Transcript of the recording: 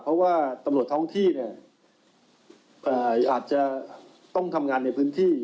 เพราะว่าตำรวจท้องที่เนี่ยอาจจะต้องทำงานในพื้นที่